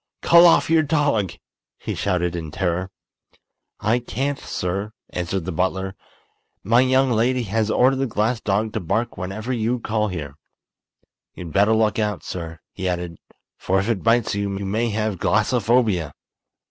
"Call off your dog," he shouted, in terror. "I can't, sir," answered the butler. "My young lady has ordered the glass dog to bark whenever you call here. You'd better look out, sir," he added, "for if it bites you, you may have glassophobia!"